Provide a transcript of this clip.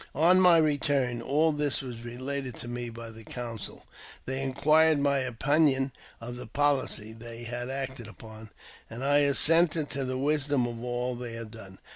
On my return, all this was related to me by the council. They inquired my opinion of the policy they had acted upon, and I assented to the wisdom of all they had done.